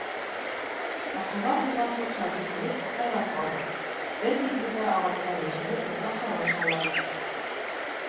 Аҡылға һыймаҫлыҡ хәлде күреп хайран ҡалдым: бер миҙгелдә ағастар йәшәреп япраҡтары шауланы.